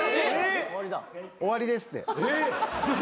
・終わりですって。